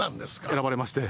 選ばれまして。